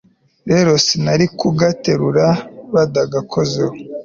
rero sinari kugaterura badakozeho